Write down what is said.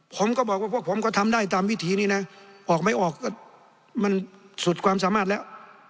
ผมก็บอกว่าพวกผมก็ทำได้ตามวิถีนี้นะออกไม่ออกก็มันสุดความสามารถแล้ว